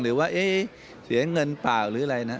หรือว่าเสียเงินเปล่าหรืออะไรนะ